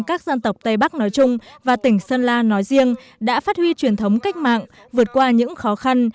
các dân tộc tây bắc nói chung và tỉnh sơn la nói riêng đã phát huy truyền thống cách mạng vượt qua những khó khăn